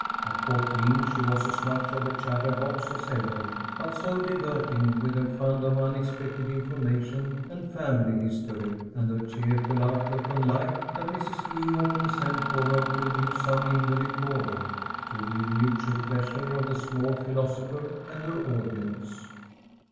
At fourteen she was as much of a chatterbox as ever, but so diverting, with her fund of unexpected information and family history and her cheerful outlook on life, that Mrs. Lee often sent for her to amuse some invalid boarder, to the mutual pleasure of the small philosopher and her audience.